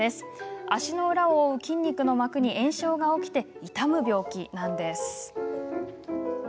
足の裏を覆う筋肉の膜に炎症が起きて痛む病気です。